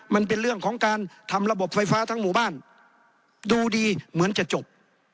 มันเป็นเรื่องของการทำระบบไฟฟ้าทั้งหมู่บ้านดูดีเหมือนจะจบ